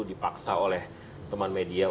dipaksa oleh teman media